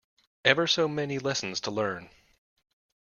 Ever so many lessons to learn!